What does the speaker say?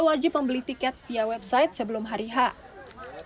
wajib membeli tiket via website sebelum hari ha ya yang pertama sebelum omikron merebak kita